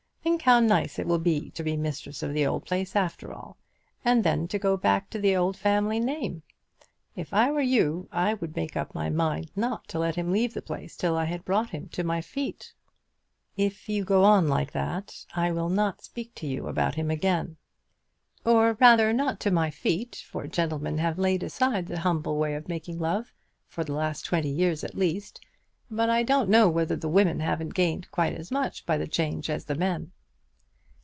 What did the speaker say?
Think how nice it will be to be mistress of the old place after all. And then to go back to the old family name! If I were you I would make up my mind not to let him leave the place till I had brought him to my feet." "If you go on like that I will not speak to you about him again." "Or rather not to my feet, for gentlemen have laid aside the humble way of making love for the last twenty years at least; but I don't know whether the women haven't gained quite as much by the change as the men."